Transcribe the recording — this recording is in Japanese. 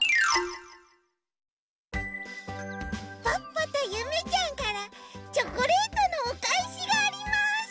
ポッポとゆめちゃんからチョコレートのおかえしがあります。